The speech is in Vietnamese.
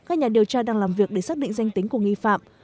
các nhà điều tra đang làm việc để xác định danh tính của nghi phạm